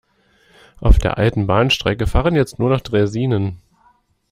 Auf der alten Bahnstrecke fahren jetzt nur noch Draisinen.